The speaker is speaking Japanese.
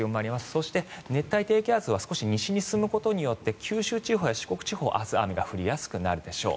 そして、熱帯低気圧は少し西に進むことによって九州地方や四国地方は明日の朝雨が降りやすくなるでしょう。